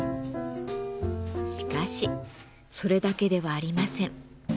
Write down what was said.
しかしそれだけではありません。